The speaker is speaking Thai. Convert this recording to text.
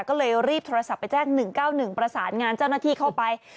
ก็เลยรีบโทรศัพท์ไปแจ้ง๑๙๑ปรศนจาวนาที่เข้าไป